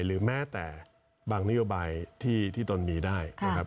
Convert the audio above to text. หรือแม้แต่บางนโยบายที่ตนมีได้